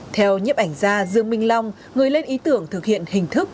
theo nhiếp ảnh gia dương minh long người lên ý tưởng thực hiện hình thức